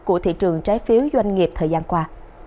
của thị trường trái phiếu doanh nghiệp thời gian qua